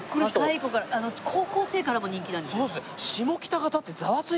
若い子から高校生からも人気なんです。